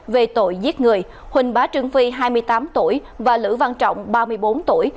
về tội giết người huỳnh bá trương phi hai mươi tám tuổi và lữ văn trọng ba mươi bốn tuổi